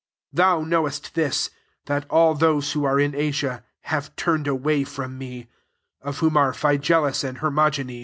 15 Thou knowest this, that all those who are in Asia have turned away from me ; of whom are Phygellus and Hermogenes.